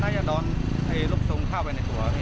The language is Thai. น่าจะโดนลูกทรงเข้าไปในหัว